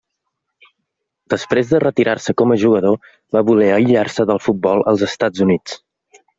Després de retirar-se com a jugador, va voler aïllar-se del futbol als Estats Units.